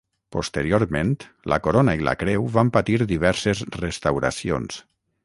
Posteriorment, la corona i la creu van patir diverses restauracions.